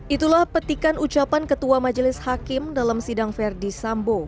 itulah petikan ucapan ketua majelis hakim dalam sidang verdi sambo